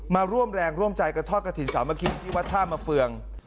มาร่วมแรงร่วมใจกับทอดกระถิ่นสามัคคีที่วัดท่ามาเฟือง